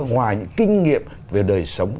ngoài những kinh nghiệm về đời sống